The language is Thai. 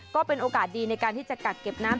ก็เป็นโอกาสดีในการที่จะกักเก็บน้ำ